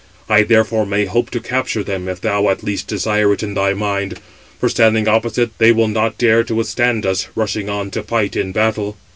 I therefore may hope to capture them, if thou, at least, desire it in thy mind; for standing opposite, they will not dare to withstand us, rushing on to fight in battle."